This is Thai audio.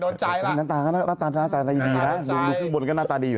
โดนใจล่ะหน้าตาหน้าตาหน้าตาดีดีนะดูบนก็หน้าตาดีอยู่